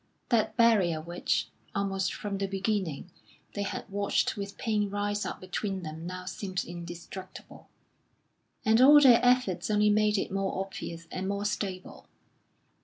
That barrier which, almost from the beginning, they had watched with pain rise up between them now seemed indestructible, and all their efforts only made it more obvious and more stable.